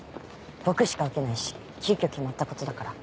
僕しか受けないし急きょ決まったことだから。